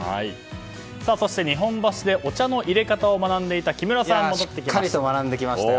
そして日本橋でお茶の入れ方を学んでいたしっかりと学んできましたよ。